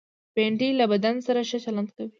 بېنډۍ له بدن سره ښه چلند کوي